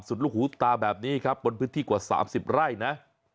ลูกหูตาแบบนี้ครับบนพื้นที่กว่า๓๐ไร่นะ